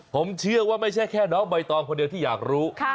ผมเชื่อว่าไม่ใช่แค่น้องใบตองคนเดียวที่อยากรู้